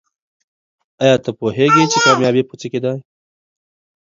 آیا ته پوهېږې چې کامیابي په څه کې ده؟